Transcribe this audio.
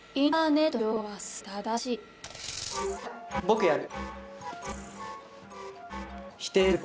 僕やる。